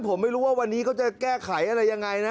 ผมไม่รู้ว่าวันนี้เขาจะแก้ไขอะไรยังไงนะ